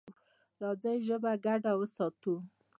راځئ ژبه ګډه وساتو.